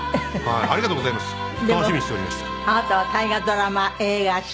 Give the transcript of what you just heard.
ありがとうございます。